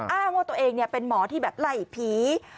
อ้างว่าตัวเองเป็นหมอที่แบบไล่ผี